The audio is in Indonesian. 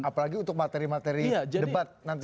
apalagi untuk materi materi debat nanti